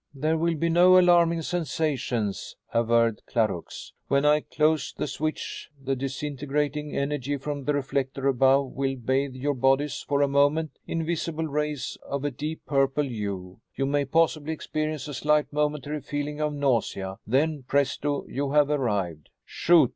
"There will be no alarming sensations," averred Clarux. "When I close the switch the disintegrating energy from the reflector above will bathe your bodies for a moment in visible rays of a deep purple hue. You may possibly experience a slight momentary feeling of nausea. Then presto! you have arrived." "Shoot!"